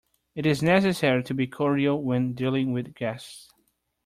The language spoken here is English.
It is necessary to be cordial when dealing with guests.